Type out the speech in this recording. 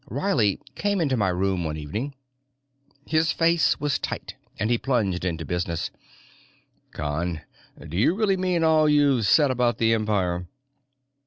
Riley came into my room one evening. His face was tight, and he plunged to business. "Con, do you really mean all you've said about the Empire?"